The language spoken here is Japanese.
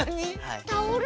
タオル？